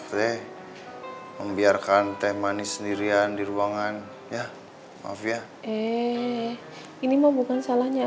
sampai jumpa di video selanjutnya